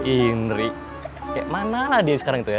indri kayak mana lah dia sekarang itu ya